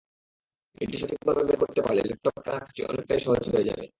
এটি সঠিকভাবে বের করতে পারলে ল্যাপটপ কেনার কাজটি অনেকটাই সহজ হয়ে যাবে।